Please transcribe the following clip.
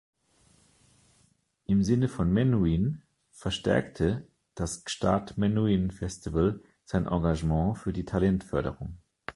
Im Sinne von Menuhin verstärkte das Gstaad Menuhin Festival sein Engagement für die Talentförderung.